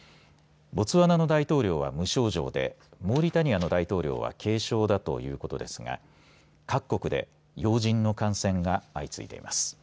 ボツワナの大統領は無症状でモーリタニアの大統領は軽症だということですが各国で要人の感染が相次いでいます。